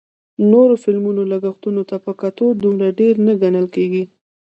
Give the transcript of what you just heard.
نورو فلمونو لګښتونو ته په کتو دومره ډېر نه ګڼل کېږي